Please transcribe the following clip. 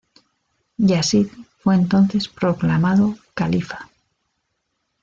Yazid fue entonces proclamado califa.